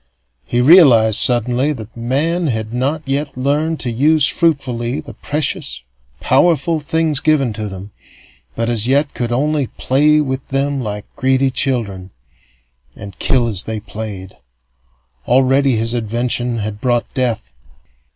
He realized, suddenly, that men had not yet learned to use fruitfully the precious, powerful things given to them, but as yet could only play with them like greedy children and kill as they played. Already his invention had brought death.